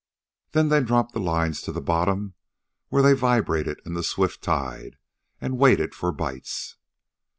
Then they dropped the lines to bottom, where they vibrated in the swift tide, and waited for bites.